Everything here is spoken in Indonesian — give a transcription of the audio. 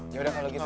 ya udah kalau gitu